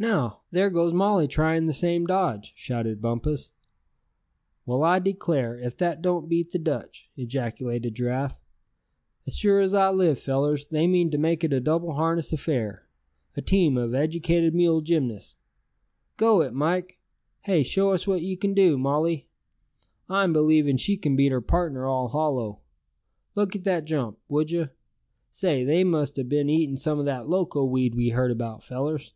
"Now, there goes Molly trying the same dodge," shouted Bumpus. "Well, I declare, if that don't beat the Dutch!" ejaculated Giraffe. "As sure as I live, fellers, they mean to make it a double harness affair, a team of educated mule gymnasts. Go it, Mike! Hey, show us what you can do, Molly! I'm believing she c'n beat her pardner all hollow. Look at that jump, would you? Say, they must a been eating some of that loco weed we heard about, fellers!"